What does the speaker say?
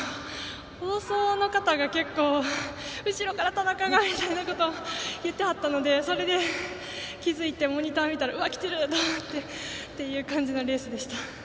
放送の方が後ろから田中が！とか言ってはったのでそれで気付いてモニター見たらうわ、きてる！っていうレースでした。